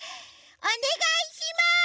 おねがいします！